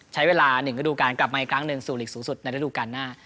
ใช้เวลา๑ฤดูการกลับมาอีกครั้งหนึ่งสู่หลีกสูงสุดในระดูการหน้า